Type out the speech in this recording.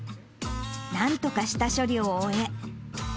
なんとか下処理を終え。